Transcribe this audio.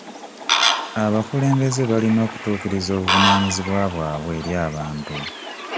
Abakulembeze balina okutuukiriza obuvunaanyizibwa bwabwe eri abantu.